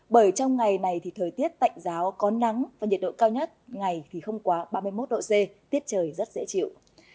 bởi trong ngày này thì thời tiết tạnh giáo có nắng và nhiệt độ cao nhất ngày thì không quá ba mươi một độ c tiết trời rất dễ chịu